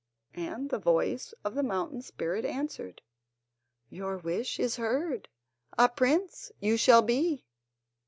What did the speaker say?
And the voice of the mountain spirit answered: "Your wish is heard; a prince you shall be."